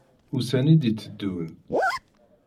Ussan i d-iteddun.